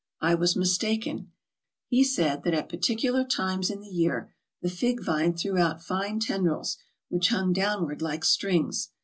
I was mistaken. He said that at particular times in the year the fig vine threw out fine tendrils which hung downward like strings.